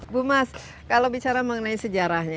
bu mas kalau bicara mengenai sejarahnya